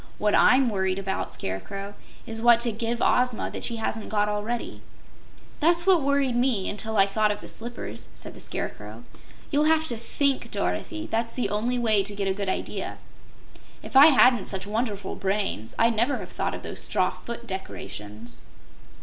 "What I'M worried about, Scarecrow, is what to give Ozma that she hasn't got already." "That's what worried me, until I thought of the slippers," said the Scarecrow. "You'll have to THINK, Dorothy; that's the only way to get a good idea. If I hadn't such wonderful brains, I'd never have thought of those straw foot decorations."